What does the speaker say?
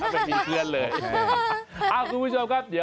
เป็นที่เพื่อนเลย